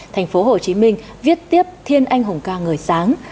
thành phố hồ chí minh viết tiếp thiên anh hùng ca người sáng